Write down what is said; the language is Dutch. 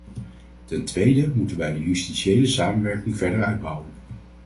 Ten tweede moeten wij de justitiële samenwerking verder uitbouwen.